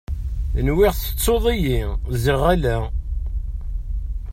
Nwiɣ tettuḍ-iyi ziɣ ala.